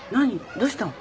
どうしたの？